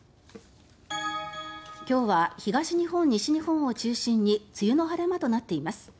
今日は東日本、西日本を中心に梅雨の晴れ間となっています。